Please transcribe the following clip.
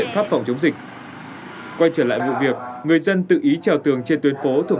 pháp phòng chống dịch quay trở lại vụ việc người dân tự ý treo tường trên tuyến phố thuộc